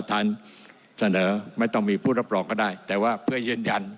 ถ้าม่อนทางครับ